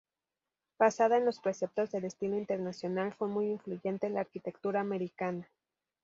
Basada en los preceptos del Estilo Internacional, fue muy influyente en la arquitectura americana.